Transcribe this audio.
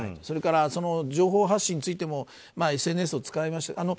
それから、情報発信についてもＳＮＳを使って。